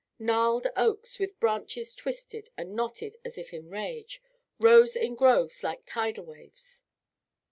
Gnarled oaks, with branches twisted and knotted as if in rage, rose in groves like tidal waves.